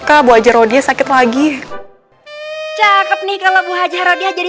kabut aja roh dia sakit lagi cakep nih kalau bu hajar roh dia jadi sakit lagi